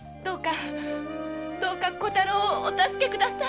どうか小太郎をお助け下さい。